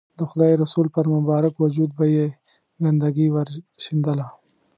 د خدای رسول پر مبارک وجود به یې ګندګي ورشیندله.